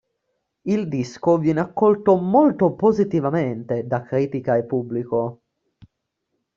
Il disco viene accolto molto positivamente da critica e pubblico.